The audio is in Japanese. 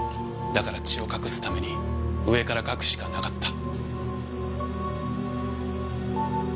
だから血を隠すために上から描くしかなかった。